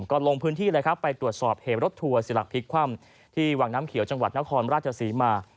ก็ลงพื้นที่ไปตรวจสอบเหตุรถทัวร์สิรักภิกษ์คว่ำที่หวังน้ำเขียวจังหวัดนครราชสีมา